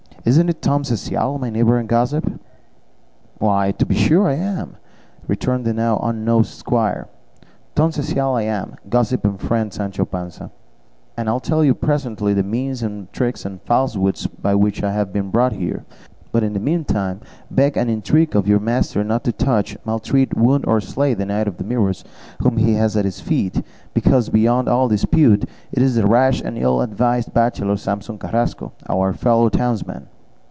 Isn't it Tom Cecial, my neighbour and gossip?" "Why, to be sure I am!" returned the now unnosed squire; "Tom Cecial I am, gossip and friend Sancho Panza; and I'll tell you presently the means and tricks and falsehoods by which I have been brought here; but in the meantime, beg and entreat of your master not to touch, maltreat, wound, or slay the Knight of the Mirrors whom he has at his feet; because, beyond all dispute, it is the rash and ill advised bachelor Samson Carrasco, our fellow townsman."